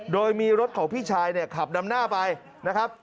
โดยมีรถของพี่ชายเนี่ยขับนำหน้าไปนะครับ